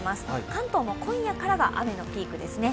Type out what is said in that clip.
関東も今夜からが雨のピークですね。